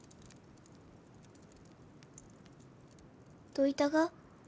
どういたが？